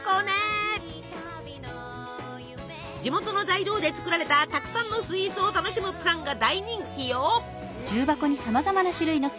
地元の材料で作られたたくさんのスイーツを楽しむプランが大人気よ！